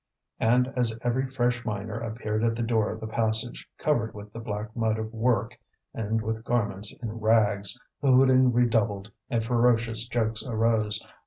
And as every fresh miner appeared at the door of the passage, covered with the black mud of work and with garments in rags, the hooting redoubled, and ferocious jokes arose.